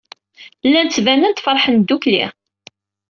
Llan ttbanen-d feṛḥen ddukkli.